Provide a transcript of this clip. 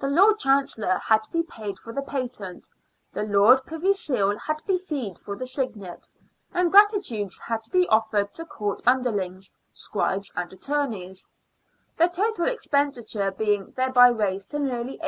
The Lord Chancellor had to be paid for the patent, the Lord Privy Seal had to be feed for the signet, and gratuities had to be offered to Court underlings, scribes, and attorneys, the total expenditure being thereby raised to nearly ^88.